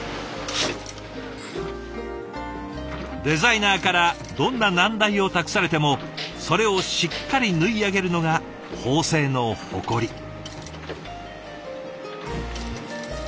デザイナーからどんな難題を託されてもそれをしっかり縫い上げるのが縫製の誇り。